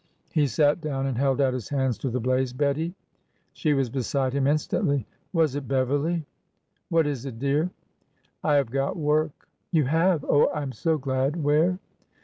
He sat down and held out his hands to the blaze. " Bettie!" She was beside him instantly. Was it Beverly? '' What is it, dear?" " I have got work." You have ! Oh, I am so glad ! Where?